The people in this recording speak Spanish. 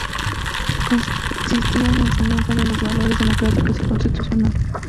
Consistía en la enseñanza de los valores democráticos y constitucionales.